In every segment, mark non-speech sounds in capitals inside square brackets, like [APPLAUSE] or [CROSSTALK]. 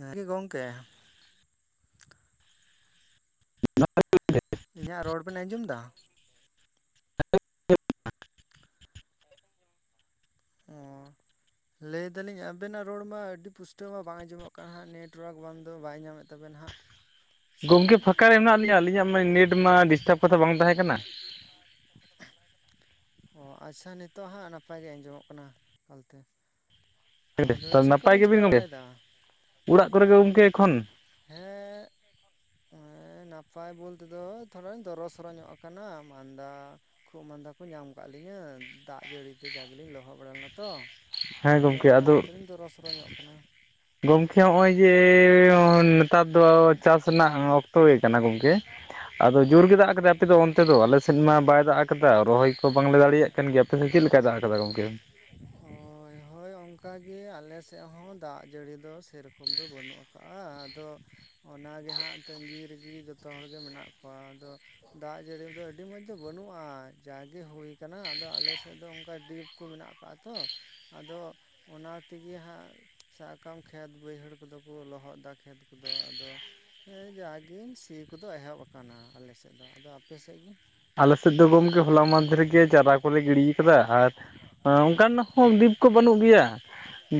ᱮᱸ ᱜᱮ ᱜᱚᱝᱠᱮ [UNINTELLIGIBLE] ᱚᱱᱟ ᱠᱚᱜᱮ ᱤᱧᱟᱹᱜ ᱨᱚᱲ ᱵᱮᱱ ᱟᱸᱡᱚᱢ ᱮᱫᱟ? ᱚᱸ ᱞᱟᱹᱭᱫᱟᱞᱤᱧ ᱟᱵᱮᱱᱟᱜ ᱨᱚᱲᱢᱟ ᱟᱹᱰᱤ ᱯᱩᱥᱴᱟᱹᱣ ᱢᱟ ᱵᱟᱝ ᱟᱸᱡᱚᱢᱚᱜ ᱠᱟᱱᱟ ᱦᱟᱸᱜ ᱱᱮᱴᱚᱣᱟᱨᱠ ᱵᱟᱝᱫᱚ ᱵᱟᱭ ᱧᱟᱢᱮᱫ ᱛᱟᱵᱮᱱᱟ ᱦᱟᱸᱜ [INAUDIBLE] ᱜᱚᱢᱠᱮ ᱯᱷᱟᱸᱠᱟ ᱨᱮ ᱢᱮᱱᱟᱜ ᱞᱤᱧᱟᱹ ᱟᱹᱞᱤᱧᱟᱜ ᱢᱟ ᱱᱮᱴ ᱢᱟ ᱰᱤᱥᱴᱟᱵᱽ ᱠᱟᱛᱮ ᱵᱟᱝ ᱛᱟᱦᱮᱸ ᱠᱟᱱᱟ ᱚ ᱟᱪᱪᱷᱟ ᱱᱤᱛᱚᱜ ᱦᱟᱸᱜ ᱱᱟᱯᱟᱭ ᱜᱮ ᱟᱸᱡᱚᱢᱚᱜ ᱠᱟᱱᱟ ᱚᱱᱛᱮ ᱛᱟᱦᱮ ᱱᱟᱯᱟᱭ ᱜᱮᱵᱤᱱ ᱜᱚᱝᱮ ᱵᱟᱲᱟᱭᱮᱫᱟ? ᱚᱲᱟᱜ ᱠᱚᱨᱮ ᱜᱮ ᱜᱚᱢᱠᱮ ᱮᱠᱷᱚᱱ ᱦᱮᱸᱻ ᱦᱮᱸ ᱱᱟᱯᱟᱭ ᱵᱚᱞ ᱛᱮᱫᱚ ᱛᱷᱚᱲᱟᱧ ᱫᱚᱨᱚ ᱥᱚᱨᱚ ᱧᱚᱜ ᱟᱠᱟᱱᱟ ᱢᱟᱸᱫᱟ ᱠᱷᱩᱜ ᱢᱟᱸᱫᱟ ᱠᱚ ᱧᱟᱢ ᱟᱠᱟᱜ ᱞᱤᱧᱟᱹ ᱫᱟᱜ ᱡᱟᱹᱲᱤ ᱛᱮ ᱡᱟ ᱜᱮᱞᱤᱧ ᱞᱚᱦᱚᱫ ᱵᱟᱲᱟ ᱞᱮᱱᱟ ᱛᱚ ᱦᱮᱸ ᱟᱫᱚ ᱜᱚᱢᱠᱮ ᱚᱱᱟ ᱤᱭᱟᱹᱛᱮᱞᱤᱧ ᱫᱚᱨᱚ ᱥᱚᱨᱚ ᱧᱚᱜ ᱟᱠᱟᱱᱟ ᱜᱚᱢᱠᱮ ᱱᱚᱜᱼᱚᱭ ᱡᱮ ᱱᱮᱛᱟᱨ ᱫᱚ ᱪᱟᱥ ᱨᱮᱱᱟᱜ ᱚᱠᱛᱚ ᱜᱮ ᱠᱟᱱᱟ ᱜᱚᱢᱠᱮ ᱟᱫᱚ ᱡᱳᱨ ᱜᱮ ᱫᱟᱜ ᱠᱟᱫᱟᱭ ᱟᱯᱮ ᱫᱚ ᱚᱱᱛᱮ ᱫᱚ ᱟᱞᱮ ᱥᱮᱫ ᱢᱟ ᱵᱟᱭ ᱫᱟᱜ ᱠᱟᱫᱟ ᱨᱚᱦᱚᱭ ᱠᱚ ᱵᱟᱝᱞᱮ ᱫᱟᱲᱮᱭᱟᱜ ᱠᱟᱱ ᱜᱮᱭᱟ ᱟᱯᱮᱥ ᱪᱮᱫ ᱞᱮᱠᱟ ᱫᱟᱜ ᱟᱠᱟᱫᱟ ᱜᱚᱢᱠᱮ ᱚᱭ ᱦᱳᱭ ᱚᱝ ᱚᱱᱠᱟᱜᱮ ᱟᱞᱮ ᱥᱮᱫ ᱦᱚᱸ ᱫᱟᱜ ᱡᱟᱹᱲᱤ ᱫᱚ ᱥᱮᱨᱚᱠᱚᱢ ᱫᱚ ᱵᱟᱹᱱᱩᱜ ᱟᱠᱟᱜᱼᱟ ᱟᱫᱚ ᱚᱱᱟᱜᱮ ᱦᱟᱸᱜ ᱛᱟᱹᱜᱤ ᱨᱮᱜᱮ ᱡᱚᱛᱚ ᱦᱚᱲᱜᱮ ᱢᱮᱱᱟᱜ ᱠᱚᱣᱟ ᱟᱫᱚ ᱫᱟᱜ ᱡᱟᱹᱲᱤ ᱫᱚ ᱟᱹᱰᱤ ᱢᱚᱸᱡᱽ ᱫᱚ ᱵᱟᱹᱱᱩᱜᱼᱟ ᱡᱟᱜᱮ ᱦᱩᱭᱩᱠ ᱟᱫᱚ ᱟᱞᱮᱥᱮᱫ ᱫᱚ ᱚᱱᱠᱟ ᱰᱤᱯ ᱠᱚ ᱢᱮᱱᱟᱜ-ᱟ ᱠᱟᱜᱼᱟ ᱛᱚ ᱟᱫᱚ ᱚᱱᱟ ᱛᱮᱜᱮ ᱦᱟᱸᱜ ᱥᱟᱵ ᱠᱟᱜ ᱢᱮ ᱠᱷᱮᱛ ᱵᱟᱹᱭᱦᱟᱹᱲ ᱠᱚᱫᱚ ᱠᱚ ᱞᱚᱦᱚᱫ ᱮᱟ ᱠᱷᱮᱛ ᱠᱚᱫᱚ ᱟᱫᱚ ᱦᱮ ᱡᱟᱜᱮ ᱥᱤ ᱠᱚᱫᱚ ᱮᱦᱚᱵ ᱟᱠᱟᱱᱟ ᱟᱞᱮ ᱥᱮᱫ ᱫᱚ ᱟᱫᱚ ᱟᱯᱮ ᱥᱮᱫ ᱜᱮ ᱟᱞᱮᱥᱮᱫ ᱫᱚ ᱜᱚᱢᱠᱮ ᱦᱚᱞᱟ ᱢᱟᱽᱫᱷᱮ ᱨᱮ ᱜᱮᱮ ᱪᱟᱨᱟ ᱠᱚᱞᱮ ᱜᱤᱰᱤ ᱟᱠᱟᱫᱟ ᱟᱨ ᱦᱮ ᱚᱱᱠᱟᱱ ᱦᱚᱸ ᱫᱤᱯ ᱠᱚ ᱵᱟᱹᱱᱩᱜ ᱜᱮᱭᱟ?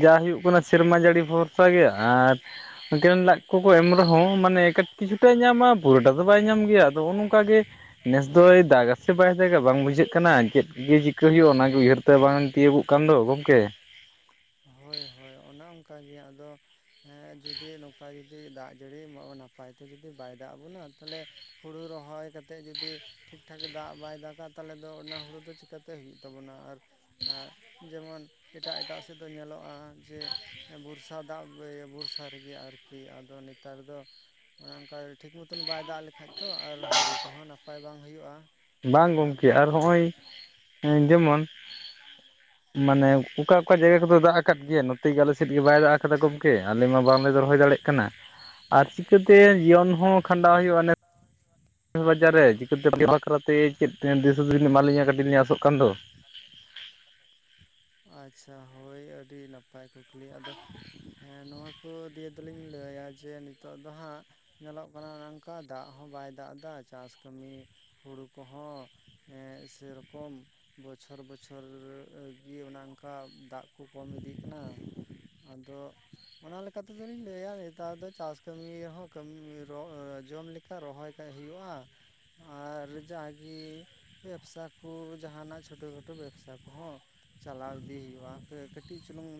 ᱡᱟ ᱦᱩᱭᱩᱜ ᱠᱟᱱᱟ ᱥᱮᱨᱢᱟ ᱡᱟᱹᱲᱤ ᱵᱷᱚᱨᱥᱟ ᱜᱮ ᱟᱨ ᱮᱠᱮᱱ ᱞᱟᱡ ᱠᱚᱠᱚ ᱮᱢ ᱨᱮᱦᱚᱸ ᱢᱟᱱᱮ ᱮᱴ ᱠᱤᱪᱷᱩᱴᱟᱭ ᱧᱟᱢᱟ ᱯᱩᱨᱟᱹᱴᱟ ᱫᱚ ᱵᱟᱭ ᱧᱟᱢ ᱜᱮᱭᱟ ᱟᱫᱚ ᱚᱱᱚ ᱱᱚᱝᱠᱟ ᱜᱮ ᱱᱮᱥ ᱫᱚᱭ ᱫᱟᱜ ᱜᱥᱮ ᱵᱟᱭ ᱫᱟᱜᱟ ᱵᱟᱝ ᱵᱩᱡᱷᱟᱹᱜ ᱠᱟᱱᱟ ᱪᱮᱫ ᱜᱮ ᱪᱤᱠᱟᱹ ᱦᱩᱭᱩᱜᱼᱟ ᱚᱱᱟᱱᱟᱜᱮ ᱩᱭᱦᱟᱹᱨᱛᱮ ᱵᱟᱝ ᱛᱤᱭᱳᱟᱹᱜᱚᱜ ᱠᱟᱱ ᱫᱚ ᱜᱚᱢᱠᱮ ᱦᱳᱭ ᱦᱳᱭ ᱚᱱᱮ ᱚᱱᱠᱟ ᱜᱮ ᱟᱫᱚ ᱦᱮᱸ ᱡᱚᱫᱤ ᱱᱚᱝᱠᱟ ᱡᱩᱚᱫᱤ ᱫᱟᱜ ᱡᱟᱹᱲᱤ ᱱᱟᱯᱟᱭ ᱛᱮ ᱡᱩᱫᱤ ᱵᱟᱭ ᱫᱟᱜ ᱟᱵᱚᱱᱟ ᱛᱟᱦᱚᱞᱮ ᱦᱳᱲᱩ ᱨᱚᱦᱚᱭ ᱠᱟᱛᱮᱫ ᱡᱩᱫᱤ ᱴᱷᱤᱠ ᱴᱷᱟᱠ ᱫᱟᱜ ᱵᱟᱭ ᱫᱟᱜᱟ ᱛᱟᱦᱚᱞᱮ ᱫᱚ ᱚᱱᱟ ᱦᱩᱲᱩ ᱫᱚ ᱪᱤᱠᱟᱛᱮ ᱦᱩᱭᱩᱜ ᱛᱟᱵᱚᱱᱟ ᱟᱨ ᱦᱮᱸ ᱡᱮᱢᱚᱱ ᱮᱴᱟᱜ ᱮᱴᱟᱜ ᱥᱮᱫ ᱫᱚ ᱧᱮᱞᱚᱜᱼᱟ ᱡᱮ ᱵᱚᱨᱥᱟ ᱫᱟᱜ ᱵᱚᱨᱥᱟ ᱨᱮᱜᱮ ᱟᱨᱠᱤ ᱟᱫᱚ ᱱᱮᱛᱟᱨ ᱫᱚ ᱚᱱᱮ ᱚᱱᱠᱟ ᱴᱷᱤᱠ ᱢᱚᱛᱚᱱ ᱵᱟᱭ ᱫᱟᱜ ᱞᱮᱠᱟᱱᱡ ᱛᱚ ᱟᱨ ᱦᱩᱲᱩ ᱠᱚᱦᱚᱸ ᱱᱟᱯᱟᱭ ᱵᱟᱝ ᱦᱩᱭᱩᱜᱼᱟ ᱵᱟᱝ ᱚᱱᱮ ᱜᱚᱢᱠᱮ ᱚᱱᱠᱟ ᱟᱨ ᱦᱚᱸᱜᱼᱚᱭ ᱡᱮᱢᱚᱱ [INAUDIBLE] ᱢᱟᱱᱮ ᱚᱠᱟ ᱚᱠᱟ ᱡᱟᱭᱜᱟ ᱠᱚᱫᱚ ᱫᱟᱜ ᱟᱠᱟᱫ ᱜᱮᱭᱟ ᱱᱚᱛᱮ ᱜᱮ ᱟᱞᱮᱥᱮᱫ ᱜᱮ ᱵᱟᱭ ᱫᱟᱜ ᱟᱠᱟᱫᱟ ᱜᱚᱝᱠᱮ ᱟᱞᱮ ᱢᱟ ᱵᱟᱝᱞᱮ ᱨᱚᱦᱚᱭ ᱫᱟᱲᱮᱜ ᱠᱟᱱᱟ ᱟᱨ ᱪᱤᱠᱟᱹ ᱛᱮ ᱡᱤᱭᱚᱱ ᱦᱚᱸ ᱠᱷᱟᱸᱰᱟᱣ ᱦᱩᱭᱩᱜᱼᱟ ᱱᱮᱛ ᱫᱩ ᱦᱟᱡᱟᱨ ᱨᱮ ᱪᱤᱠᱟᱹ ᱛᱮ ᱟᱯᱮ ᱵᱟᱠᱷᱨᱟ ᱛᱮ ᱪᱮᱫ ᱫᱤᱥ ᱦᱩᱫᱤᱥ ᱮᱢᱟᱞᱤᱧᱟ. ᱠᱟᱹᱴᱤᱡ ᱞᱤᱧ ᱟᱥᱚᱜ ᱠᱟᱱ ᱫᱚ ᱟᱪᱪᱷᱟ ᱦᱳᱭ ᱟᱹᱰᱤ ᱱᱟᱯᱟᱭ ᱠᱩᱠᱞᱤ ᱟᱫᱚ ᱦᱮᱸ ᱱᱚᱣᱟ ᱠᱚ ᱫᱤᱭᱮ ᱫᱚ ᱞᱤᱧ ᱞᱟᱹᱭ ᱟ ᱡᱮ ᱱᱤᱛᱚᱜ ᱫᱚ ᱦᱟᱸᱜ ᱧᱮᱞᱚᱜ ᱠᱟᱱᱟ ᱚᱱᱠᱟ ᱫᱟᱜ ᱦᱚᱸ ᱵᱟᱭ ᱫᱟᱜ ᱮᱫᱟ ᱪᱟᱥ ᱠᱟᱹᱢᱤ ᱦᱩᱲᱩ ᱠᱚᱦᱚᱸ ᱦᱮᱸ ᱥᱮᱨᱚᱠᱚᱢ ᱵᱚᱪᱷᱚᱨ ᱵᱚᱪᱷᱚᱨ ᱨᱮ ᱤᱭᱟ. ᱚᱱᱮ ᱚᱱᱠᱟ ᱫᱟᱜ ᱠᱚ ᱠᱚᱢ ᱤᱫᱤᱜ ᱠᱟᱱᱟ ᱟᱫᱚ ᱚᱱᱟ ᱞᱮᱠᱟ ᱛᱮᱫᱚᱞᱤᱧ ᱞᱟᱹᱭᱟ ᱱᱮᱛᱟᱨ ᱫᱚ ᱪᱟᱥ ᱠᱟᱹᱢᱤ ᱨᱮ ᱦᱚᱸ ᱠᱟᱹᱢᱤ ᱨᱚ ᱡᱚᱢ ᱞᱮᱠᱟ ᱠᱟ ᱨᱚᱦᱚᱭ ᱠᱟᱜ ᱦᱩᱭᱩᱜᱼᱟ ᱟᱨ ᱡᱟᱜᱮ ᱵᱮᱵᱥᱟ ᱠᱚ ᱡᱟᱦᱟ ᱱᱟᱜ ᱪᱷᱳᱴᱳ ᱠᱷᱟᱴᱳ ᱵᱮᱵᱥᱟ ᱠᱚᱦᱚᱸ ᱪᱟᱞᱟᱣ ᱤᱫᱤ ᱦᱩᱭᱩᱜᱼᱟ ᱠᱟᱹᱴᱤᱡ ᱪᱩᱞᱩᱝ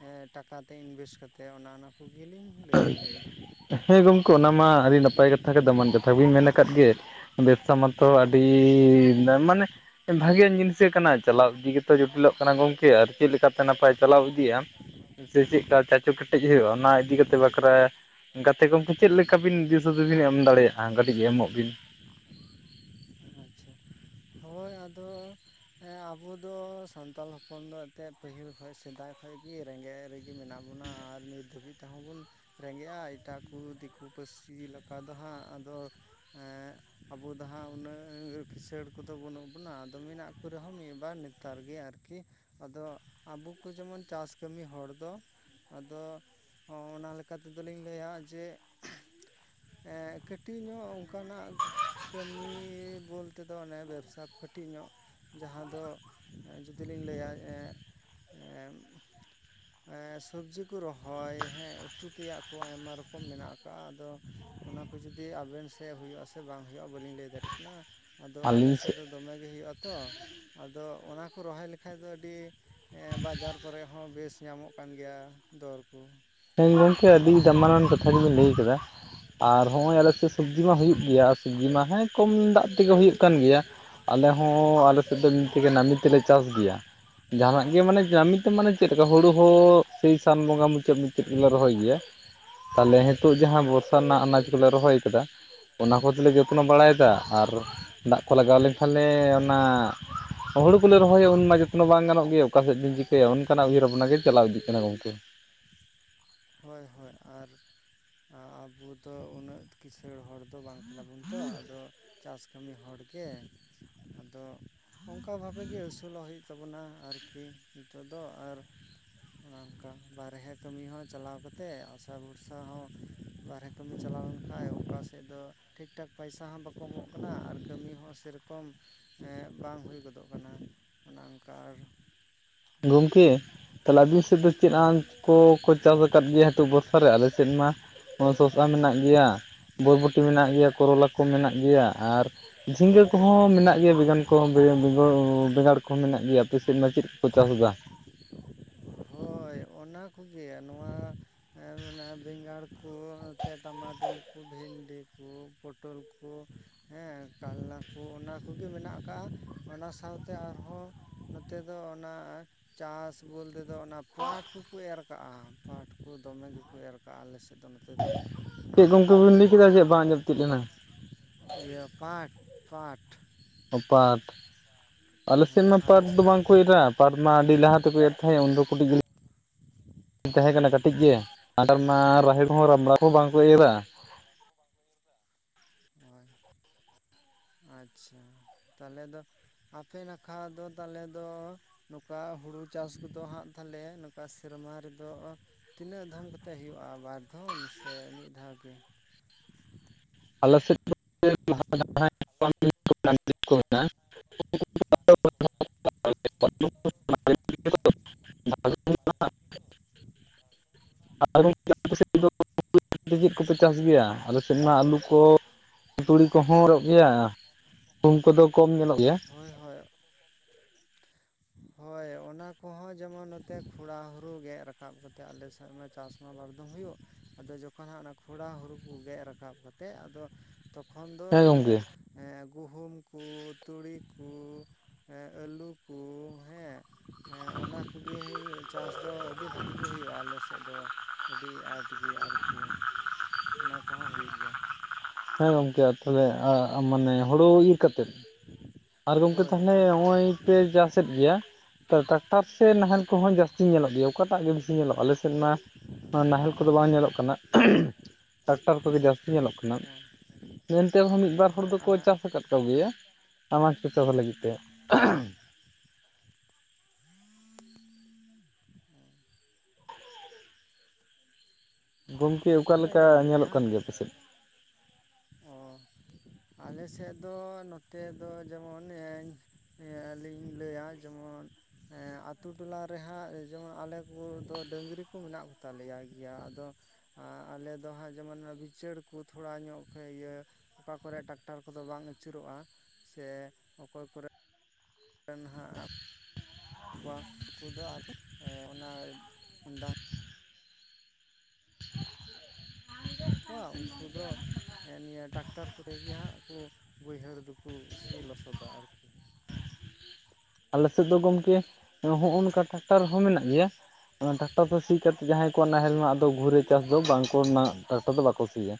ᱦᱮᱸ ᱴᱟᱠᱟᱛᱮ ᱤᱱᱵᱷᱮᱥᱴ ᱠᱟᱛᱮᱫ ᱚᱱᱟ ᱠᱚᱜᱮᱞᱤᱧ ᱞᱟᱹᱭᱟ ᱟᱹᱞᱤᱧ ᱫᱚ ᱦᱳᱭ ᱜᱚᱢᱠᱮ ᱚᱱᱟ ᱢᱟ ᱟᱹᱰᱤ ᱱᱟᱯᱟᱭ ᱠᱟᱛᱷᱟ ᱜᱮ ᱫᱚᱢᱟᱱ ᱠᱟᱛᱷᱟ ᱵᱮᱱ ᱢᱮᱱ ᱟᱠᱟᱫ ᱜᱮ ᱵᱮᱵᱥᱟ ᱢᱟᱛᱚ ᱟᱹᱰᱤ ᱢᱟᱱᱮ ᱵᱷᱟᱹᱜᱮ ᱡᱤᱱᱥᱟ ᱠᱟᱱᱟ ᱪᱟᱞᱟᱣ ᱤᱫᱤ ᱜᱮᱛᱚ ᱡᱚᱴᱤᱞᱚᱜ ᱠᱟᱱᱟ ᱜᱚᱝᱠᱮ ᱟᱨ ᱪᱮᱫ ᱞᱮᱠᱟᱛᱮ ᱱᱟᱯᱟᱭ ᱪᱟᱞᱟᱣ ᱤᱫᱤᱜᱼᱟ ᱥᱮ ᱪᱮᱜ ᱠᱟ ᱪᱟᱪᱳ ᱠᱮᱴᱮᱡ ᱦᱩᱭᱩᱜᱼᱟ ᱚᱱᱟ ᱤᱫᱤ ᱠᱟᱛᱮᱫ ᱵᱟᱠᱷᱨᱟ ᱜᱟᱛᱮ ᱜᱚᱝᱠᱮ ᱪᱮᱫ ᱞᱮᱠᱟ ᱵᱤᱱ ᱫᱤᱥ ᱦᱩᱫᱤᱥ ᱵᱤᱱ ᱮᱢ ᱫᱟᱲᱮᱭᱟᱜᱼᱟ ᱠᱟᱹᱴᱤᱡ ᱮᱢᱚᱜ ᱵᱤᱱ ᱟᱪᱪᱷᱟ ᱦᱳᱭ ᱟ ᱫᱚ ᱦᱮᱸ ᱟᱵᱚ ᱫᱚ ᱥᱟᱱᱛᱟᱞ ᱦᱚᱯᱚᱱ ᱫᱚ ᱮᱱᱛᱮ ᱯᱟᱹᱦᱤᱞ ᱠᱷᱚᱱ ᱥᱮᱫᱟᱭ ᱠᱷᱚᱱ ᱜᱮ ᱨᱮᱸᱜᱮᱡ ᱨᱮᱜᱮ ᱢᱮᱱᱟᱜ ᱵᱚᱱᱟ ᱟᱨ ᱱᱤᱛ ᱫᱷᱟᱹᱵᱤᱡ ᱛᱮᱦᱚᱸ ᱵᱚᱱ ᱨᱮᱸᱜᱮᱡᱼᱟ ᱮᱴᱟᱜ ᱠᱚ ᱫᱤᱠᱩ ᱯᱟᱹᱨᱥᱤ ᱞᱮᱠᱟ ᱫᱚ ᱦᱟᱸᱜ ᱟᱫᱚ ᱦᱮᱸ ᱟᱵᱚ ᱫᱚ ᱱᱟᱦᱟᱸ ᱩᱱᱟᱹᱜ ᱠᱤᱥᱟᱹᱬ ᱠᱚᱫᱚ ᱵᱟᱹᱱᱩᱜ ᱵᱚᱱᱟ ᱟᱫᱚ ᱢᱮᱱᱟᱜ ᱠᱚᱨᱮ ᱦᱚᱸ ᱢᱤᱫ ᱵᱟᱨ ᱱᱮᱛᱟᱨ ᱜᱮ ᱟᱨᱠᱤ ᱟᱫᱚ ᱟᱵᱚ ᱠᱚ ᱡᱮᱢᱚᱱ ᱪᱟᱥ ᱠᱟᱹᱢᱤ ᱦᱚᱲ ᱫᱚ ᱟᱫᱚ ᱦᱚᱸᱜᱼᱚ ᱱᱟ ᱞᱮᱠᱟ ᱛᱮᱫᱚ ᱞᱤᱧ ᱞᱟᱹᱭᱟ ᱡᱮ ᱮ ᱠᱟᱹᱴᱤᱡ ᱧᱚᱜ ᱚᱱᱠᱟ ᱱᱟᱜ ᱠᱟᱹᱢᱤ ᱵᱚᱞᱛᱮ ᱛᱮ ᱫᱚ ᱚᱱᱮ ᱵᱮᱵᱥᱟ ᱠᱟᱹᱴᱤᱡ ᱧᱚᱜ ᱡᱟᱦᱟᱸ ᱫᱚ ᱡᱩᱫᱤ ᱞᱤᱧ ᱞᱟᱹᱭᱟ [UNINTELLIGIBLE] ᱦᱮᱸ ᱥᱚᱵᱡᱤ ᱠᱚ ᱨᱚᱦᱚᱭ ᱦᱮᱸ ᱩᱛᱩ ᱛᱮᱭᱟᱜ ᱠᱚ ᱟᱭᱢᱟ ᱨᱚᱠᱚᱢ ᱢᱮᱱᱟᱜ ᱟᱠᱟ ᱟ ᱟᱫᱚ ᱚᱱᱟ ᱠᱚ ᱡᱩᱫᱤ ᱟᱵᱮᱱ ᱥᱮᱫ ᱦᱩᱭᱩᱜᱼᱟᱥᱮ ᱵᱟᱝ ᱦᱩᱭᱩᱜᱼᱟ ᱵᱟᱝ ᱞᱤᱧ ᱞᱟᱹᱭ ᱫᱟᱲᱮᱜ ᱠᱟᱱᱟ ᱟᱫᱚ ᱟᱞᱮ ᱥᱮᱫ ᱫᱚ ᱫᱚᱢᱮ ᱜᱮ ᱦᱩᱭᱩᱜᱼᱟ ᱛᱚ ᱟᱫᱚ ᱚᱱᱟ ᱠᱚ ᱨᱚᱦᱚᱭ ᱞᱮᱠᱷᱟᱡ ᱫᱚ ᱟᱹᱰᱤ ᱦᱮᱸ ᱵᱟᱡᱟᱨ ᱠᱚᱨᱮ ᱦᱚᱸ ᱵᱮᱥ ᱧᱟᱢᱚᱜ ᱠᱟᱱ ᱜᱮᱭᱟ ᱫᱚᱨ ᱠᱚ ᱦᱮᱸ ᱜᱚᱢᱠᱮ ᱱᱚᱝᱠᱟ ᱟᱹᱰᱤ ᱫᱟᱢᱟᱱᱟᱱ ᱠᱟᱛᱮ ᱠᱟᱛᱷᱟ ᱜᱮᱵᱮᱱ ᱞᱟᱹᱭ ᱠᱟᱫᱟ ᱟᱨ ᱦᱚᱜᱼᱚᱭ ᱟᱞᱮ ᱥᱮᱫ ᱥᱚᱵᱡᱤ ᱢᱟ ᱦᱩᱭᱩᱜ ᱜᱮᱭᱟ ᱥᱚᱵᱡᱤ ᱢᱟ ᱦᱮᱸ ᱠᱚᱢ ᱫᱟᱜ ᱛᱮᱜᱮ ᱦᱩᱭᱩᱜ ᱠᱟᱱ ᱜᱮᱭᱟ ᱟᱞᱮ ᱦᱚᱸ ᱟᱞᱮ ᱥᱮᱫ ᱫᱚ ᱱᱟᱹᱢᱤ ᱛᱮᱞᱮ ᱪᱟᱥ ᱜᱮᱭᱟ ᱡᱟᱸᱦᱟ ᱱᱟᱜ ᱜᱮ ᱢᱟᱱᱮ ᱱᱟᱢᱤ ᱛᱮ ᱢᱟᱱᱮ ᱪᱮᱫ ᱞᱮᱠᱟ ᱦᱩᱲᱩ ᱦᱚᱸ ᱥᱮᱭ ᱥᱟᱱ ᱵᱚᱸᱜᱟ ᱢᱩᱪᱟᱹᱫ ᱢᱩᱪᱟ. ᱫ ᱪᱮᱫ ᱜᱮᱞᱮ ᱨᱚᱦᱚᱭ ᱜᱮᱭᱟ ᱛᱟᱦᱚᱞᱮ ᱱᱤᱛᱚᱜ ᱡᱟᱦᱟᱸ ᱵᱚᱨᱥᱟ ᱦᱳᱭ ᱨᱮᱱᱟᱜ ᱟᱱᱟᱡ ᱠᱚᱞᱮ ᱨᱚᱦᱚᱭ ᱠᱟᱫᱟ ᱚᱱᱟ ᱠᱚᱛᱮ ᱞᱮ ᱡᱚᱛᱱᱚ ᱵᱟᱲᱟᱭᱮᱫᱟ ᱟᱨ ᱫᱟᱜ ᱠᱚ ᱞᱟᱜᱟᱣ ᱞᱮᱱᱠᱷᱟᱱ ᱞᱮ ᱚᱱᱟ ᱦᱩᱲᱩ ᱠᱚᱞᱮ ᱨᱚᱦᱚᱭ ᱩᱱᱢᱟ ᱡᱚᱛᱱᱚ ᱵᱟᱝ ᱜᱟᱱᱚᱜ ᱜᱮᱭᱟ ᱚᱠᱟ ᱥᱮᱫ ᱵᱤᱱ ᱪᱤᱠᱟᱹᱭᱟ ᱚᱱᱠᱟ ᱱᱟᱜ ᱩᱭᱦᱟᱹᱨ ᱵᱷᱟᱵᱱᱟ ᱜᱮ ᱪᱟᱞᱟᱣ ᱤᱫᱤᱜ ᱠᱟᱱᱟ ᱜᱚᱝᱠᱮ ᱦᱳᱭ ᱦᱳᱭ ᱟᱨ ᱟᱵᱚ ᱫᱚ ᱩᱱᱟᱹᱜ ᱠᱤᱥᱟᱹᱲ ᱦᱚᱲ ᱫᱚ ᱵᱟᱝ ᱠᱟᱱᱟ ᱵᱚᱱ ᱛᱚ ᱟᱫᱚ ᱪᱟᱥ ᱠᱟᱹᱢᱤ ᱦᱚᱲ ᱜᱮ ᱟᱫᱚ ᱚᱱᱠᱟ ᱵᱷᱟᱵᱮ ᱜᱮ ᱟᱹᱥᱩᱞᱚᱜ ᱦᱩᱭᱩᱜ ᱛᱟᱵᱚᱱᱟ ᱟᱨᱠᱤ ᱱᱤᱛᱚᱜ ᱫᱚ ᱟᱨ ᱚᱱᱮ ᱚᱱᱠᱟ ᱵᱟᱨᱦᱮ ᱠᱟᱹᱢᱤ ᱦᱚᱸ ᱪᱟᱞᱟᱣ ᱠᱟᱛᱮᱜ ᱟᱥᱟ ᱵᱷᱚᱨᱥᱟ ᱦᱚᱸ ᱵᱟᱨᱦᱮ ᱠᱟᱹᱢᱤ ᱪᱟᱞᱟᱣ ᱞᱮᱱ ᱠᱷᱟᱱ ᱚᱠᱟ ᱥᱮᱫ ᱫᱚ ᱴᱷᱤᱠ ᱴᱷᱟᱠ ᱯᱚᱭᱥᱟ ᱦᱚᱸ ᱵᱟᱠᱚ ᱮᱢᱚᱜ ᱠᱟᱱᱟ ᱟᱨ ᱠᱟᱹᱢᱤ ᱦᱚᱸ ᱥᱮᱨᱚᱠᱚᱢ ᱦᱮᱸ ᱵᱟᱝ ᱦᱩᱭ ᱜᱚᱫᱚᱜ ᱠᱟᱱᱟ ᱚᱱᱮ ᱚᱱᱠᱟ ᱟᱨ ᱜᱚᱝᱠᱮ ᱛᱟᱦᱞᱮ ᱟᱵᱤᱱ ᱥᱮᱫ ᱫᱚ ᱪᱮᱫ ᱦᱳᱭ ᱟᱛ ᱠᱚ ᱠᱚ ᱪᱟᱥ ᱟᱠᱟᱫ ᱜᱮᱭᱟ ᱱᱤᱛᱚᱜ ᱵᱚᱨᱥᱟ ᱨᱮ ᱟᱞᱮ ᱥᱮᱫ ᱢᱟ ᱥᱚᱥᱟ ᱢᱮᱱᱟᱜ ᱜᱮᱭᱟ ᱵᱚᱨᱵᱚᱴᱤ ᱢᱮᱱᱟᱜ ᱜᱮᱭᱟ ᱠᱚᱨᱚᱞᱟ ᱠᱚ ᱢᱮᱱᱟᱜ ᱜᱮᱭᱟ ᱟᱨ ᱡᱷᱤᱸᱜᱟᱹ ᱠᱚᱦᱚᱸ ᱢᱮᱱᱟᱜ ᱜᱮᱭᱟ ᱵᱮᱸᱜᱟᱱ ᱠᱚᱦᱚᱸ ᱵᱮᱸᱜᱟᱲ ᱠᱚᱦᱚᱸ ᱢᱮᱱᱟᱜ ᱜᱮᱭᱟ ᱟᱯᱮ ᱥᱮᱫ ᱢᱟ ᱪᱮᱫ ᱠᱚ ᱪᱟᱥ ᱫᱟ ᱦᱳᱭ ᱚᱱᱟ ᱠᱚᱜᱮ ᱱᱚᱣᱟ ᱦᱮᱸ ᱚᱱᱟ ᱵᱮᱸᱜᱟᱲ ᱠᱚ ᱱᱚᱛᱮ ᱴᱟᱢᱟᱴᱳᱞ ᱠᱚ ᱵᱷᱤᱱᱰᱤ ᱠᱚ ᱯᱚᱴᱚᱞ ᱠᱚ ᱦᱮᱸ ᱠᱟᱞᱞᱟ ᱠᱚ ᱚᱱᱟ ᱠᱚᱜᱮ ᱢᱮᱱᱟᱜ ᱟᱠᱟᱜ ᱚᱱᱟ ᱥᱟᱶᱛᱮ ᱟᱨᱦᱚᱸ ᱱᱚᱛᱮ ᱫᱚ ᱚᱱᱟ ᱪᱟᱥ ᱵᱚᱞᱛᱮ ᱫᱚ ᱚᱱᱟ ᱯᱟᱴ ᱠᱚᱠᱚ ᱮᱨ ᱠᱟᱜᱼᱟ ᱯᱟᱴ ᱠᱚ ᱫᱚᱢᱮ ᱜᱮᱠᱚ ᱮᱨ ᱠᱟᱜᱼᱟ ᱟᱞᱮᱥᱮᱫ ᱫᱚ ᱱᱚᱛᱮ ᱫᱚ ᱪᱮᱫ ᱚᱱᱠᱟ ᱜᱚᱝᱜᱮ ᱵᱤᱱ ᱞᱟᱹᱭ ᱠᱮᱫᱟ ᱡᱮ ᱵᱟᱝ ᱧᱟᱢ ᱛᱤᱭᱟᱹᱜ ᱞᱮᱱᱟ ᱤᱭᱟᱹ ᱯᱟᱴ ᱯᱟᱴ ᱚ ᱯᱟᱴ ᱟᱞᱮ ᱥᱮᱫ ᱦᱮᱸ ᱢᱟ ᱟᱞᱮ ᱯᱟᱴ ᱫᱚ ᱥᱮᱫ ᱵᱟᱝ ᱤᱨᱟ ᱯᱟᱴ ᱢᱟ ᱟᱹᱰᱤ ᱞᱟᱦᱟ ᱛᱮᱠᱚ ᱮᱨ ᱛᱟᱦᱮᱸᱫ ᱩᱱᱫᱚ ᱫᱚ ᱠᱟᱹᱴᱤᱡ [INAUDIBLE] ᱛᱟᱦᱮᱸᱠᱟᱱᱟ ᱠᱟᱹᱴᱤᱡ ᱜᱮ ᱟᱨ ᱚᱱᱟ ᱨᱟᱦᱮᱲ ᱠᱚᱦᱚᱸ ᱨᱟᱢᱲᱟ ᱠᱚᱦᱚᱸ ᱵᱟᱝᱠᱚ ᱮᱨᱟ ᱦᱳᱭ ᱟᱪᱪᱷᱟ ᱛᱟᱦᱚᱞᱮ ᱫᱚ ᱟᱯᱮ ᱱᱟᱠᱷᱟ ᱫᱚ ᱛᱟᱞᱮ ᱫᱚ ᱱᱚᱝᱠᱟ ᱦᱩᱲᱩ ᱪᱟᱥ ᱠᱚᱫᱚ ᱦᱟᱸᱜ ᱛᱟᱞᱮ ᱱᱚᱝᱠᱟ ᱥᱮᱨᱢᱟ ᱨᱮᱫᱚ ᱛᱤᱱᱟᱹᱜ ᱫᱷᱟᱢ ᱠᱟᱛᱮᱜ ᱦᱳᱭᱳᱜᱼᱟ, ᱵᱟᱨ ᱫᱷᱚᱢ ᱥᱮ ᱢᱤᱫ ᱫᱷᱟᱣᱜᱤ? ᱟᱞᱮ ᱥᱮᱫ ᱠᱚ ᱢᱮᱱᱟᱜᱼᱟ [INAUDIBLE] [INAUDIBLE] [INAUDIBLE] [INAUDIBLE] ᱪᱟᱥ ᱜᱮᱭᱟ ᱟᱞᱮ ᱥᱮᱫᱢᱟ ᱟᱹᱞᱩ ᱠᱚ ᱛᱩᱲᱤ ᱠᱚᱦᱚᱸ [INAUDIBLE] ᱜᱮᱭᱟ ᱩᱢ ᱠᱚᱫᱚ ᱠᱚᱢ ᱧᱮᱞᱚᱜ ᱜᱮᱭᱟ ᱦᱳᱭ ᱦᱳᱭ ᱦᱳᱭ ᱚᱱᱟ ᱠᱚᱦᱚᱸ ᱡᱮᱢᱚᱱ ᱱᱚᱛᱮ ᱠᱷᱚᱨᱟ ᱦᱩᱲᱩ ᱜᱮᱫ ᱨᱟᱠᱟᱵ ᱠᱟᱛᱮᱫ ᱟᱞᱮ ᱥᱮᱫ ᱢᱟ ᱪᱟᱥ ᱢᱟ ᱵᱟᱨᱫᱚᱢ ᱦᱩᱭᱩᱜ ᱟᱫᱚ ᱡᱚᱠᱷᱚᱱ ᱦᱟᱸᱜ ᱚᱱᱟ ᱠᱷᱚᱨᱟ ᱦᱩᱲᱩ ᱠᱚ ᱜᱮᱫ ᱨᱟᱠᱟᱵ ᱠᱟᱛᱮᱫ ᱟᱫᱚ ᱛᱚᱠᱷᱚᱱ ᱫᱚ ᱦᱮᱸ ᱱᱤᱭᱟᱹ ᱜᱚᱝᱠᱮ ᱜᱩᱦᱩᱢ ᱠᱚ ᱛᱩᱲᱤ ᱠᱚ ᱟᱹᱞᱩ ᱠᱚ ᱠᱚ ᱦᱮᱸ ᱦᱮᱸ ᱚᱱᱟ ᱠᱚᱜᱮ ᱪᱟᱥ ᱫᱚ ᱟᱹᱰᱤ ᱵᱷᱟᱜᱤ ᱜᱮ ᱦᱩᱭᱩᱜᱼᱟ ᱟᱞᱮᱥᱮᱫ ᱫᱚ ᱟᱹᱰᱤ ᱟᱸᱴ ᱜᱮ ᱟᱨᱠᱤ ᱚᱱᱟ ᱠᱚᱦᱚᱸ ᱦᱩᱭᱩᱜ ᱜᱮᱭᱟ᱾ ᱦᱮᱸ ᱜᱚᱢᱠᱮ ᱛᱟᱦᱚᱞᱮ ᱢᱟᱱᱮ ᱦᱩᱲᱩ ᱤᱨ ᱠᱟᱛᱮᱫ? [UNINTELLIGIBLE] ᱟᱨ ᱜᱚᱝᱠᱮ ᱦᱳᱭ ᱛᱟᱦᱚᱞᱮ ᱚᱱ ᱱᱚᱜᱼᱚᱭ ᱯᱮ ᱪᱟᱥᱮᱫ ᱜᱮᱭᱟ ᱴᱨᱟᱠᱴᱟᱨ ᱥᱮ ᱱᱟᱦᱮᱞ ᱠᱚᱦᱚᱸ ᱡᱟᱹᱥᱛᱤ ᱧᱮᱞᱚᱜ ᱜᱮᱭᱟ ᱚᱠᱟᱴᱟᱜ ᱜᱮ ᱵᱤᱥᱤ ᱧᱮᱞᱚᱜᱼᱟ ᱟᱞᱮ ᱟᱯᱮ ᱥᱮᱫ ᱢᱟ ᱱᱟᱦᱮᱞ ᱠᱚᱫᱚ ᱵᱟᱝ ᱧᱮᱞᱚᱜ ᱠᱟᱱᱟ᱾ ᱴᱟᱠᱴᱟᱨ ᱠᱚᱜᱮ ᱡᱟᱹᱥᱛᱤ ᱧᱮᱞᱚᱜ ᱠᱟᱱᱟ ᱢᱮᱱᱛᱮ ᱨᱮᱦᱚᱸ ᱢᱤᱫᱵᱟᱨ ᱦᱚᱲ ᱦᱮᱸ ᱫᱚᱠᱚ ᱪᱟᱥ ᱟᱠᱟᱫ ᱠᱚᱜᱮᱭᱟ᱾ ᱥᱟᱢᱟᱡᱽ ᱠᱚᱯᱟᱣ ᱞᱟᱹᱜᱤᱫ ᱛᱮ ᱜᱚᱢᱠᱮ ᱦᱮᱸ ᱨᱚᱲ ᱚᱠᱟᱞᱮ ᱵᱮᱱ ᱞᱮᱠᱟ ᱟᱸᱡᱚᱢ ᱧᱟᱢᱮᱫ ᱧᱮᱞᱚᱜ ᱠᱟᱱ ᱜᱮᱭᱟ ᱯᱮᱥᱮᱫ ᱚ ᱟᱞᱮ ᱥᱮᱫ ᱫᱚ ᱱᱚᱛᱮ ᱫᱚ ᱡᱮᱢᱚᱱ ᱦᱮᱸ ᱟᱹᱞᱤᱧ ᱞᱟᱹᱭ ᱟ ᱡᱮᱢᱚᱱ ᱦᱮᱸ ᱟᱹᱛᱩ ᱴᱚᱞᱟ ᱨᱮᱦᱟᱸᱜ ᱡᱮᱢᱚᱱ ᱟᱞᱮ ᱠᱚᱫᱚ ᱰᱟᱹᱝᱨᱤ ᱠᱚ ᱢᱮᱱᱟᱜ ᱠᱚᱛᱟᱞᱮᱭᱟ ᱜᱮᱭᱟ ᱟᱫᱚ ᱟᱨ ᱟᱞᱮ ᱫᱚ ᱦᱟᱸᱜ ᱡᱮᱢᱚᱱ ᱵᱤᱪᱟᱹᱲ ᱠᱚ ᱛᱷᱚᱲᱟ ᱧᱚᱜ ᱤᱭᱟᱹ ᱚᱠᱟ ᱠᱚᱨᱮ ᱴᱟᱠᱴᱟᱨ ᱠᱚᱫᱚ ᱵᱟᱝ ᱟᱹᱪᱩᱨᱚᱜᱼᱟ ᱥᱮ ᱚᱠᱚᱭ ᱠᱚᱨᱮ ᱦᱟᱜ ᱠᱩᱫᱚ ᱟᱨ ᱚᱱᱟ ᱰ [UNINTELLIGIBLE] ᱠᱚᱣᱟ ᱩᱱᱠᱩ ᱫᱚ ᱦᱮᱸ ᱱᱤᱭᱟᱹ ᱴᱟᱠᱴᱟᱨ ᱠᱚᱨᱮ ᱜᱮ ᱦᱟᱸᱜ ᱠᱚ ᱵᱟᱹᱭᱦᱟᱹᱲ ᱫᱚᱠᱚ ᱥᱤ ᱞᱚᱥᱚᱫᱟ ᱟᱨᱠᱤ᱾ [INAUDIBLE] ᱟᱞᱮ ᱥᱮᱫ ᱫᱚ ᱚᱱᱟ ᱜᱚᱢᱠᱮ ᱦᱚᱜᱼᱚ ᱱᱚᱝᱠᱟ ᱴᱨᱟᱠᱴᱟᱨ ᱦᱚᱸ ᱢᱮᱱᱟᱜ ᱜᱮᱭᱟ ᱴᱨᱟᱠᱴᱟᱨ ᱴᱨᱟᱠᱴᱟᱨ ᱛᱮ ᱥᱤ ᱠᱟᱛᱮᱫ ᱡᱟᱦᱟᱸᱭ ᱠᱚᱣᱟᱜ ᱱᱟᱦᱮᱞ ᱨᱮᱱᱟᱜᱫᱚ ᱜᱷᱩᱨᱟᱹ ᱪᱟᱥ ᱫᱚ ᱵᱟᱝᱠᱚ ᱨᱮᱱᱟᱜ ᱴᱨᱟᱠᱴᱟᱨ ᱫᱚ ᱵᱟᱠᱚ ᱥᱤᱭᱟ᱾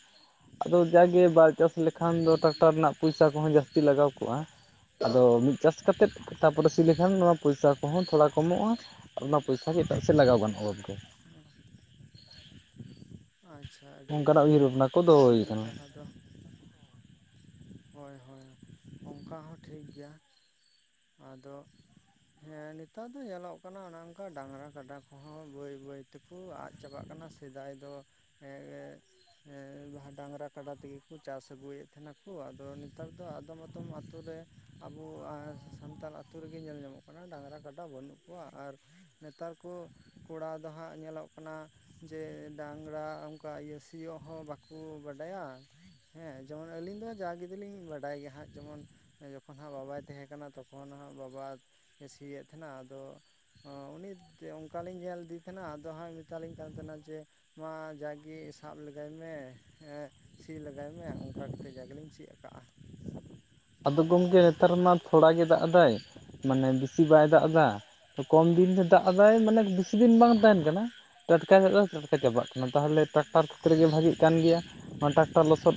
ᱟᱫᱚ ᱡᱟᱜᱮ ᱵᱟᱭ ᱪᱟᱥ ᱞᱮᱠᱷᱟᱱ ᱫᱚ ᱴᱨᱟᱠᱴᱟᱨ ᱨᱮᱱᱟᱜ ᱯᱚᱭᱥᱟ ᱠᱚᱦᱚᱸ ᱡᱟᱹᱥᱛᱤ ᱞᱟᱜᱟᱣ ᱠᱚᱜᱼᱟ ᱟᱫᱚ ᱢᱤᱫ ᱪᱟᱥ ᱠᱟᱛᱮᱫ ᱛᱟᱯᱚᱨᱮ ᱥᱤ ᱞᱮᱠᱷᱟᱱ ᱱᱚᱣᱟ ᱯᱚᱭᱥᱟ ᱠᱚᱦᱚᱸ ᱛᱷᱚᱲᱟ ᱠᱚᱢᱚᱜᱼᱟ ᱟᱨ ᱚᱱᱟ ᱯᱚᱭᱥᱟ ᱜᱮ ᱮᱴᱟᱜ ᱥᱮᱫ ᱞᱟᱜᱟᱣ ᱜᱟᱱᱚᱜᱼᱟ ᱦᱚᱭ ᱛᱚ᱾ ᱟᱪᱪᱷᱟ ᱟᱹᱰᱤ ᱚᱱᱠᱟᱱᱟᱜ ᱩᱭᱦᱟᱹᱨ ᱱᱟᱯᱟᱭ ᱵᱷᱟᱵᱽᱱᱟ ᱠᱚ ᱫᱚᱦᱚ ᱴᱷᱤᱠ ᱦᱩᱭ ᱟᱠᱟᱱᱟ ᱠᱟᱛᱷᱟ ᱟᱫᱚ ᱦᱳᱭ ᱦᱳᱭ ᱚᱱᱠᱟ ᱦᱚᱸ ᱴᱷᱤᱠ ᱜᱮᱭᱟ ᱟᱫᱚ ᱦᱮᱸ ᱱᱮᱛᱟᱨ ᱫᱚ ᱧᱮᱞᱚᱜ ᱠᱟᱱᱟ ᱚᱱᱮ ᱚᱱᱠᱟ ᱰᱟᱝᱨᱟ ᱠᱟᱰᱟ ᱠᱚᱦᱚᱸ ᱵᱟᱹᱭ ᱵᱟᱹᱭ ᱛᱮᱠᱚ ᱟᱫ ᱪᱟᱵᱟᱜ ᱠᱟᱱᱟ ᱥᱮᱫᱟᱭ ᱫᱚ ᱦᱮᱸ ᱦᱮᱸ ᱰᱟᱝᱨᱟ ᱠᱟᱰᱟ ᱛᱮᱜᱮ ᱠᱚ ᱪᱟᱥ ᱟᱹᱜᱩᱭᱮᱫ ᱛᱟᱦᱮᱱᱟᱠᱚ ᱟᱫᱚ ᱱᱮᱛᱟᱨ ᱫᱚ ᱟᱫᱚᱢ ᱟᱫᱚᱢ ᱟᱹᱛᱩ ᱨᱮ ᱟᱵᱚ ᱥᱟᱱᱛᱟᱲ ᱟᱛᱩ ᱨᱮᱜᱮ ᱧᱮᱞ ᱧᱟᱢᱚᱜ ᱠᱟᱱᱟ ᱰᱟᱝᱨᱟ ᱠᱟᱰᱟ ᱵᱟᱹᱱᱩᱜ ᱠᱚᱣᱟ ᱟᱨ ᱱᱮᱛᱟᱨ ᱠᱚ ᱠᱚᱲᱟ ᱫᱚ ᱦᱟᱸᱜ ᱧᱮᱞᱚᱜ ᱠᱟᱱᱟ ᱡᱮ ᱰᱟᱝᱨᱟ ᱚᱱᱠᱟ ᱤᱭᱟᱹ ᱥᱤᱭᱳᱜ ᱦᱚᱸ ᱵᱟᱠᱚ ᱵᱟᱰᱟᱭᱟ᱾ ᱦᱮᱸ ᱡᱮᱢᱚᱱ ᱟᱹᱞᱤᱧ ᱫᱚ ᱡᱟᱜᱮ ᱫᱚᱞᱤᱧ ᱵᱟᱰᱟᱭ ᱜᱮᱭᱟ ᱦᱟᱸᱜ ᱡᱮᱢᱚᱱ ᱡᱚᱠᱷᱚᱱ ᱦᱟᱸᱜ ᱵᱟᱵᱟᱭ ᱛᱟᱦᱮᱸ ᱠᱟᱱᱟ ᱠᱟᱱᱟ ᱛᱚᱠᱷᱚᱱ ᱦᱟᱸᱜ ᱵᱟᱵᱟ ᱥᱤᱭᱮᱫ ᱛᱟᱦᱮᱸᱱᱟ ᱟᱫᱚ ᱩᱱᱤ ᱚᱱᱠᱟᱞᱤᱧ ᱧᱮᱞ ᱞᱮᱫᱮ ᱛᱟᱦᱮᱱᱟ ᱟᱫᱚ ᱦᱟᱸᱜ ᱢᱮᱛᱟᱞᱤᱧ ᱠᱟᱱ ᱛᱟᱦᱮᱱᱟ ᱡᱮ ᱢᱟ ᱡᱟᱜᱮ ᱥᱟᱵ ᱞᱮᱜᱟᱭ ᱢᱮ ᱥᱤ ᱞᱮᱜᱟᱭ ᱢᱮ ᱚᱱᱠᱟ ᱠᱟᱛᱮᱫ ᱡᱟᱜᱮᱞᱤᱧ ᱥᱮᱫ ᱠᱟᱜᱼᱟ ᱟᱫᱚ ᱜᱚᱢᱠᱮ ᱱᱮᱛᱟᱨ ᱢᱟ ᱛᱷᱚᱲᱟ ᱜᱮ ᱫᱟᱜ ᱮᱫᱟᱭ ᱢᱟᱱᱮ ᱵᱟᱭ ᱫᱟᱜ ᱮᱫᱟ ᱠᱚᱢ ᱫᱤᱱ ᱨᱮ ᱫᱟᱜ ᱮᱫᱟᱭ ᱢᱟᱱᱮ ᱵᱮᱥᱤ ᱫᱤᱱ ᱵᱟᱝ ᱛᱟᱦᱮᱱ ᱠᱟᱱᱟ ᱴᱟᱴᱠᱟ ᱜᱮ ᱪᱮ ᱞᱮᱠᱟ ᱪᱟᱵᱟᱜ ᱠᱟᱱᱟ ᱛᱟᱦᱚᱞᱮ ᱴᱨᱟᱠᱴᱟᱨ ᱠᱷᱮᱛᱨᱮ ᱜᱮ ᱵᱷᱟᱜᱮᱜ ᱠᱟᱱ ᱜᱮᱭᱟ ᱚᱱᱟ ᱴᱟᱠ- ᱞᱚᱥᱚᱫ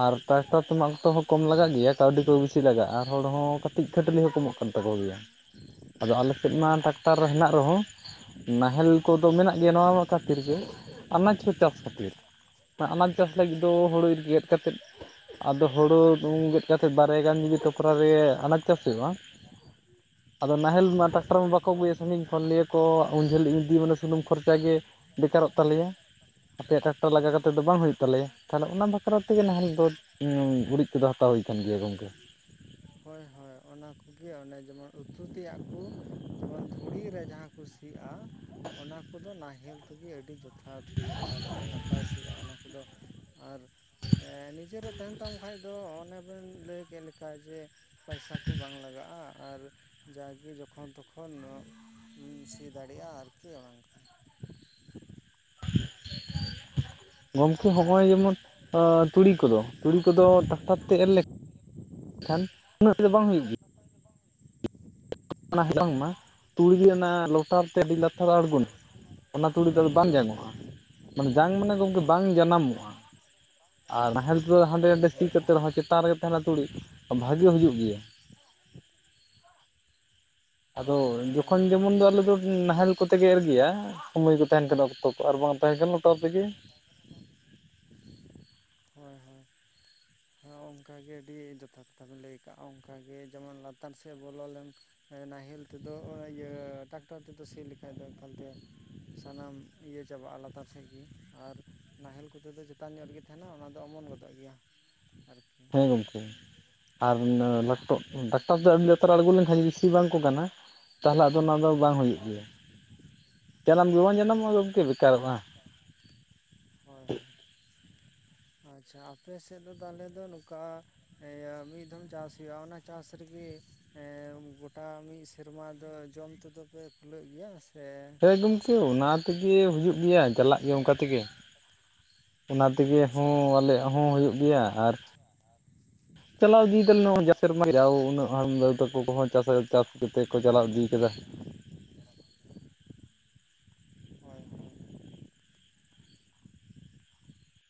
ᱟᱨ ᱴᱟᱠᱴᱟᱨ ᱛᱮᱢᱟ ᱚᱠᱛᱚ ᱦᱚᱸ ᱠᱚᱢ ᱞᱟᱜᱟᱜ ᱜᱮᱭᱟ᱾ ᱠᱟᱹᱣᱰᱤ ᱠᱚ ᱵᱤᱥᱤ ᱞᱟᱜᱟᱜᱼᱟ ᱟᱨ ᱦᱚᱲ ᱦᱚᱸ ᱠᱟᱹᱴᱤᱡ ᱠᱷᱟᱹᱴᱞᱤ ᱦᱚᱸ ᱠᱚᱢᱚᱜ ᱠᱟᱱ ᱛᱟᱠᱚ ᱜᱮᱭᱟ᱾ ᱟᱫᱚ ᱟᱞᱮ ᱥᱮᱫ ᱢᱟ ᱦᱳᱭ ᱦᱳᱭ ᱴᱟᱠᱛᱟᱨ ᱦᱮᱱᱟᱜ ᱨᱮᱦᱚᱸ ᱱᱟᱦᱮᱞ ᱠᱚᱫᱚ ᱢᱮᱱᱟᱜ ᱜᱮᱭᱟ ᱱᱚᱣᱟ ᱠᱷᱟᱹᱛᱤᱨ ᱜᱮ ᱟᱱᱟᱡᱽ ᱠᱚ ᱪᱟᱥ ᱠᱷᱟᱹᱛᱤᱨ᱾ ᱟᱱᱟᱡ ᱪᱟᱥ ᱞᱟᱹᱜᱤᱫ ᱫᱚ ᱦᱩᱲᱩ ᱤᱨ ᱜᱮᱫ ᱠᱟᱛᱮᱫ ᱟᱫᱚ ᱦᱩᱲᱩ ᱫᱚ ᱡᱟᱛᱮ ᱵᱟᱨᱭᱟ ᱜᱟᱱ ᱡᱩᱫᱤ ᱴᱚᱯᱚᱨᱟ ᱨᱮ ᱟᱱᱟᱡ ᱪᱟᱥ ᱦᱩᱭᱩᱜᱼᱟ᱾ [INAUDIBLE] ᱟᱫᱚ ᱱᱟᱦᱮᱞ ᱢᱟ ᱴᱟᱠᱴᱟᱨ ᱢᱟ ᱵᱟᱠᱚ ᱟᱹᱜᱩᱭᱟ᱾ ᱥᱟᱺᱜᱤᱧ ᱠᱷᱚᱱ ᱞᱟᱹᱭᱟ ᱠᱚ ᱩᱱ ᱡᱷᱟᱹᱞ ᱤᱫᱤ ᱢᱟᱱᱮ ᱥᱩᱱᱩᱢ ᱠᱷᱚᱨᱪᱟ ᱜᱮ ᱵᱮᱠᱟᱨᱚᱜ ᱛᱟᱞᱮᱭᱟ᱾ ᱟᱯᱮᱭᱟᱜ ᱴᱨᱟᱠᱴᱟᱨ ᱞᱟᱜᱟ ᱠᱟᱛᱮᱫ ᱫᱚ ᱵᱟᱝ ᱦᱩᱭᱩᱜ ᱛᱟᱞᱮᱭᱟ᱾ ᱛᱟᱦᱚᱞᱮ ᱚᱱᱟ ᱵᱟᱠᱷᱨᱟ ᱛᱮᱜᱮ ᱱᱟᱦᱮᱞ ᱫᱚ ᱩᱨᱤᱡ ᱠᱚᱫᱚ ᱦᱟᱛᱟᱣ ᱦᱩᱭ ᱠᱟᱱ ᱜᱮᱭᱟ ᱜᱚᱝᱠᱮ᱾ ᱦᱳᱭ ᱦᱳᱭ ᱚᱱᱟ ᱠᱚᱜᱮ ᱚᱱᱮ ᱡᱮᱢᱚᱱ ᱩᱛᱩ ᱛᱮᱭᱟᱜ ᱠᱩ᱾ ᱡᱮᱢᱚᱱ ᱫᱷᱩᱲᱤ ᱨᱮ ᱡᱟᱦᱟᱸ ᱠᱚ ᱥᱤᱜᱼᱟ ᱚᱱᱟ ᱠᱚᱫᱚ ᱱᱟᱦᱮᱞ ᱛᱮᱜᱮ ᱟᱹᱰᱤ ᱡᱚᱛᱷᱟᱛ ᱦᱩᱭᱩᱜᱼᱟ ᱟᱨᱠᱤ ᱱᱟᱯᱟᱭ ᱥᱤᱜᱼᱟ ᱚᱱᱟ ᱠᱚᱫᱚ᱾ ᱟᱨ ᱱᱤᱡᱮᱨᱟᱜ ᱛᱟᱦᱮᱱ ᱛᱟᱢ ᱠᱷᱟᱡ ᱫᱚ ᱚᱱᱮ ᱵᱮᱱ ᱞᱟᱹᱭ ᱠᱮᱫ ᱞᱮᱠᱟ ᱡᱮ ᱯᱚᱭᱥᱟ ᱠᱚ ᱵᱟᱝ ᱞᱟᱜᱟᱜᱼᱟ ᱟᱨ ᱡᱟᱜᱮ ᱡᱚᱠᱷᱚᱱ ᱛᱚᱠᱷᱚᱱ ᱥᱤ ᱫᱟᱲᱮᱟᱜᱼᱟ ᱟᱨᱠᱤ ᱚᱱᱮ ᱚᱱᱠᱟ᱾ [INAUDIBLE] ᱜᱚᱢᱠᱮ ᱦᱚᱜᱼᱚᱭ ᱡᱮᱢᱚᱱ ᱛᱩᱲᱤ ᱠᱚᱫᱚ ᱛᱩᱲᱤ ᱠᱚᱫᱚ ᱴᱟᱠᱴᱟᱨ ᱛᱮ ᱮᱨ ᱞᱮᱠᱷᱟᱱ ᱮᱱᱠᱷᱟᱱ ᱩᱱᱟᱹᱜ ᱫᱚ ᱵᱟᱝ ᱦᱩᱭᱩᱜ ᱜᱮᱭᱟ᱾ ᱚᱱᱟ ᱵᱟᱝᱢᱟ ᱛᱩᱲᱤ ᱜᱮ ᱚᱱᱟ ᱞᱚᱴᱟ ᱛᱮ ᱟᱹᱰᱤ ᱞᱟᱛᱟᱨ ᱟᱬᱜᱚᱱᱟ᱾ ᱚᱱᱟ ᱛᱩᱲᱤ ᱫᱚ ᱵᱟᱝ ᱡᱟᱝ ᱚᱜᱼᱟ ᱢᱟᱱᱮ ᱡᱟᱝ ᱢᱟᱱᱮ ᱜᱚᱢᱠᱮ ᱵᱟᱝ ᱡᱟᱱᱟᱢᱚᱜᱼᱟ᱾ ᱟᱨ ᱱᱟᱦᱮᱞ ᱛᱚ ᱦᱟᱸᱰᱮ ᱦᱳᱭ ᱱᱟᱰᱮ ᱥᱤ ᱦᱳᱭ ᱠᱟᱛᱮᱫ ᱦᱳᱭ ᱨᱮᱦᱚᱸ ᱪᱮᱛᱟᱱ ᱨᱮᱜᱮ ᱛᱟᱦᱮᱱᱟ ᱛᱩᱲᱤ ᱵᱷᱟᱜᱤ ᱦᱩᱭᱩᱜ ᱜᱮᱭᱟ᱾ ᱟᱫᱚ ᱦᱳᱭ ᱦᱳᱭ ᱡᱚᱠᱷᱚᱱ ᱚᱱᱟ ᱦᱚᱸ ᱡᱮᱢᱚᱱ ᱟᱹᱰᱤ ᱫᱚ ᱟᱞᱮ ᱫᱚ ᱱᱟᱦᱮᱞ ᱠᱚᱛᱮᱜᱮ ᱮᱨᱜᱮᱭᱟ ᱥᱚᱢᱚᱭ ᱠᱚ ᱛᱟᱦᱮᱸᱱ ᱠᱷᱟᱱ ᱚᱠᱛᱚ ᱠᱚ ᱟᱨ ᱵᱟᱝ ᱛᱟᱦᱮᱱ ᱠᱷᱟᱱ ᱞᱳᱴᱟᱨ ᱛᱮᱜᱮ᱾ ᱦᱳᱭᱻ ᱦᱳᱭᱻ᱾ ᱦᱮᱸ ᱚᱱᱠᱟ ᱜᱮ ᱟᱹᱰᱤ ᱡᱚᱛᱷᱟᱛ ᱠᱟᱛᱷᱟ ᱵᱮᱱ ᱞᱟᱹᱭ ᱠᱟᱜᱼᱟ᱾ ᱚᱱᱠᱟᱜᱮ ᱡᱮᱢᱚᱱ ᱞᱟᱛᱟᱨ ᱥᱮᱫ ᱵᱚᱞᱚ ᱞᱮᱱ ᱠᱷᱟᱱ ᱱᱟᱦᱮᱞ ᱛᱮᱫᱚ ᱤᱭᱟᱹ ᱴᱟᱠᱴᱟᱨ ᱛᱮᱫᱚ ᱥᱤ ᱞᱮᱠᱷᱟᱡ ᱫᱚ ᱮᱠᱟᱞ ᱛᱮ ᱥᱟᱱᱟᱢ ᱤᱭᱟᱹ ᱪᱟᱵᱟᱜᱼᱟ᱾ ᱞᱟᱛᱟᱨ ᱥᱮᱫ ᱜᱮ ᱟᱨ ᱱᱟᱦᱮᱞ ᱠᱚᱛᱮ ᱫᱚ ᱪᱮᱛᱟᱱ ᱧᱚᱜ ᱨᱮᱜᱮ ᱛᱟᱦᱮᱱᱟ ᱚᱱᱟ ᱫᱚ ᱚᱢᱚᱱ ᱜᱚᱫᱚᱜ ᱜᱮᱭᱟ᱾ ᱟᱨᱠᱤ ᱦᱮᱸ ᱜᱚᱝᱠᱮ ᱟᱨ ᱴᱨᱟᱠᱴᱚᱨ ᱫᱚ ᱟᱹᱰᱤ ᱞᱟᱛᱟᱨ ᱟᱬᱜᱚ ᱞᱮᱱᱠᱷᱟᱱ ᱥᱤ ᱵᱟᱝ ᱠᱚ ᱜᱟᱱᱟ᱾ ᱛᱟᱦᱚᱞᱮ ᱟᱫᱚ ᱚᱱᱟ ᱫᱚ ᱵᱟᱝ ᱦᱩᱭᱩᱜ ᱜᱮᱭᱟ᱾ ᱡᱟᱱᱟᱢ ᱜᱮᱵᱟᱝ ᱡᱟᱱᱟᱢ ᱚᱜᱼᱟ ᱜᱚᱝᱠᱮ ᱵᱮᱠᱟᱨᱚᱜᱼᱟ᱾ ᱦᱮᱸᱻ ᱦᱳᱭᱻ ᱦᱳᱭᱻ᱾ ᱟᱪᱪᱷᱟ ᱟᱯᱮ ᱥᱮᱡ ᱫᱚ ᱛᱟᱦᱞᱮ ᱫᱚ ᱱᱚᱝᱠᱟ ᱤᱭᱟᱹ ᱢᱤᱫ ᱫᱷᱚᱢ ᱪᱟᱥ ᱦᱩᱭᱩᱜᱼᱟ ᱚᱱᱟ ᱪᱟᱥ ᱨᱮᱜᱤ ᱮᱸ ᱜᱚᱴᱟ ᱢᱤᱫ ᱥᱮᱨᱢᱟ ᱫᱚ ᱡᱚᱢ ᱛᱮᱫᱚ ᱯᱮ ᱠᱩᱞᱟᱹᱜ ᱜᱮᱭᱟ᱾ ᱥᱮ ᱦᱮ ᱜᱚᱢᱠᱮ ᱪᱮᱫ ᱚᱱᱟ ᱞᱮᱠᱟ ᱛᱮᱜᱮ ᱦᱩᱭᱩᱜ ᱜᱮᱭᱟ ᱪᱟᱞᱟᱜ ᱜᱮᱭᱟ ᱚᱱᱠᱟ ᱛᱮᱜᱮ, ᱚᱱᱟ ᱛᱮᱜᱮ ᱟᱪᱪᱷᱟ ᱦᱚᱸ ᱟᱨ ᱟᱞᱮ ᱪᱟᱞᱟᱣ ᱦᱚᱸ ᱦᱩᱭᱩᱜ ᱜᱮᱭᱟ ᱟᱨ, ᱪᱟᱞᱟᱣ ᱤᱫᱤᱭ ᱫᱟᱞᱮ ᱱᱟᱜ ᱡᱟᱣ ᱥᱮᱨᱢᱟ ᱩᱱᱟᱹᱜ ᱛᱚ ᱯᱳᱠᱚ ᱠᱚᱦᱚᱸ ᱪᱟᱥ ᱪᱟᱥ ᱠᱟᱛᱮᱫ ᱠᱚ ᱪᱟᱞᱟᱣ ᱤᱫᱤᱭ ᱠᱟᱫᱟ᱾ ᱦᱚᱭᱻ ᱦᱚᱭᱻ,